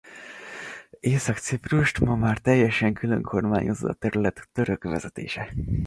Észak-Ciprust ma már teljesen külön kormányozza a terület török vezetése.